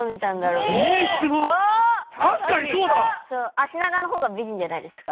足長のほうが美人じゃないですか？